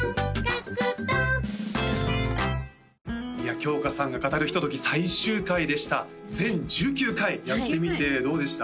今日花サンが語るひととき最終回でした全１９回やってみてどうでした？